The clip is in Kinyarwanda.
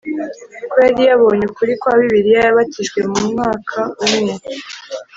Ko yari yabonye ukuri kwa bibiliya yabatijwe mu mwaka umwe